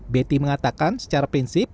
betty mengatakan secara prinsip